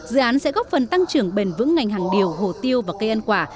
dự án sẽ góp phần tăng trưởng bền vững ngành hàng điều hồ tiêu và cây ăn quả